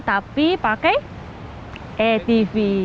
tapi pakai etv